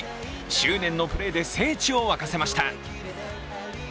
執念のプレーで聖地を沸かせました。